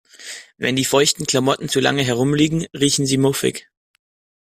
Wenn die feuchten Klamotten zu lange herumliegen, riechen sie muffig.